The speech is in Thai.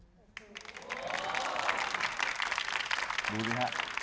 ดูสิฮะ